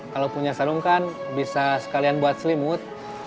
kalau punya sarung kan bisa sekalian buat selimut